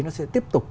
nó sẽ tiếp tục